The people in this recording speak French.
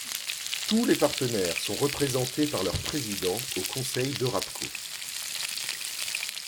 Tous les partenaires sont représentés par leurs présidents au conseil d'Eurapco.